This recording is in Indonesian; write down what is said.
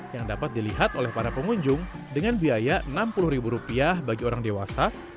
yang dapat dilihat oleh para pengunjung dengan biaya rp enam puluh bagi orang dewasa